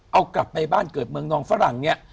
เอากลับไปบ้านเกิดเมืองนองฝรั่งเนี่ย